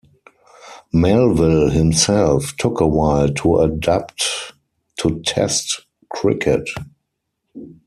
Melville himself took a while to adapt to Test cricket.